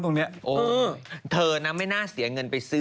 เตรียมเมนมาให้เรียบร้อยแล้ว